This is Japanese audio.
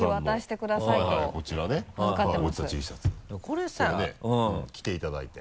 これね着ていただいて。